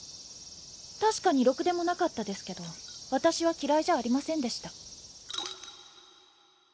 確かにろくでもなかったですけどわたしは嫌いじゃありませんでした。